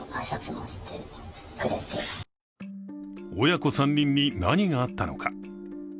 親子３人に何があったのか。